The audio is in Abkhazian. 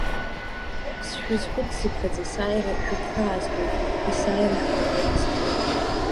Сшәызхәыццыԥхьаӡа есааира шәгәхьаазгоит, есааира шәгәыблра скуеит.